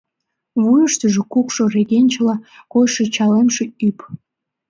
Вуйыштыжо кукшо регенчыла койшо чалемше ӱп.